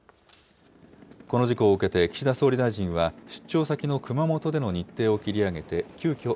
この事故を受けて岸田総理大臣は、出張先の熊本での日程を切り上げて急きょ